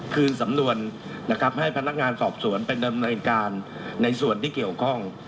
คืนสำนวนนะครับให้พนักงานสอบสวนไปดำเนินการในส่วนที่เกี่ยวข้อง